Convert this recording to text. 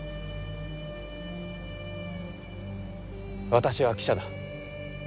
私は記者だ。